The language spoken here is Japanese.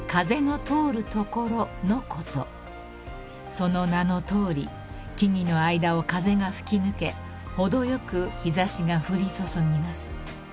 ［その名のとおり木々の間を風が吹き抜け程よく日差しが降りそそぎます］